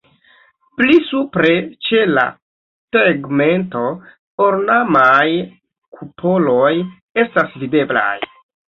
Pli supre ĉe la tegmento ornamaj kupoloj estas videblaj.